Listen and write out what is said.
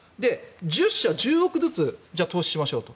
１０社、１０億ずつ投資しましょうと。